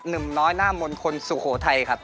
หนุ่มน้อยหน้ามณฑลสุโขทัยครับ